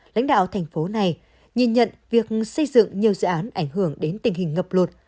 lãnh đạo thành phố này nhìn nhận việc xây dựng nhiều dự án ảnh hưởng đến tình hình ngập lụt